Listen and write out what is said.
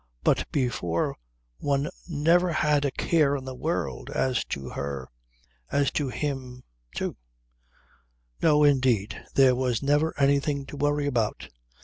But before one never had a care in the world as to her and as to him, too. No, indeed, there was never anything to worry about.'